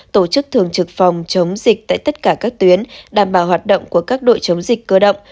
tổ chức thường trực phòng chống dịch tại tất cả các tuyến đảm bảo hoạt động của các đội chống dịch cơ động